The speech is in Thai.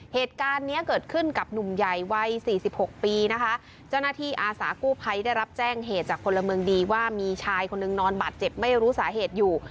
เหตุการณ์เนี้ยเกิดขึ้นกับหนุ่มใหญ่วัยสี่สิบหกปีนะคะเจ้าหน้าที่อาสากู้ภัยได้รับแจ้งเหตุจากพลเมืองดีว่ามีชายคนนึงนอนบาดเจ็บไม่รู้สาเหตุอยู่